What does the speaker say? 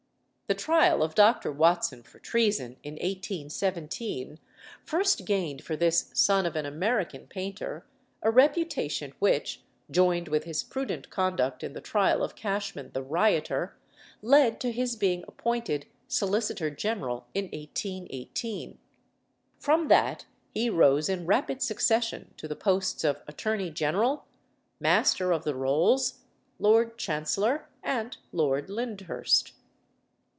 The trial of Dr. Watson for treason, in 1817, first gained for this son of an American painter a reputation which, joined with his prudent conduct in the trial of Cashman the rioter led to his being appointed Solicitor General in 1818. From that he rose in rapid succession, to the posts of Attorney General, Master of the Rolls, Lord Chancellor, and Lord Lyndhurst.